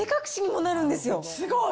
すごい。